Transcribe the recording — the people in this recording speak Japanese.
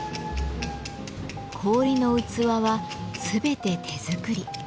氷の器は全て手作り。